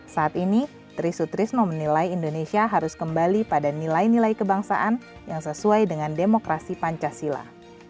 saat ini tri sutrisno menilai indonesia harus kembali pada nilai nilai kebangsaan yang sesuai dengan demokrasi pancasila